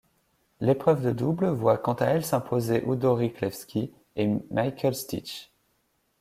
L'épreuve de double voit quant à elle s'imposer Udo Riglewski et Michael Stich.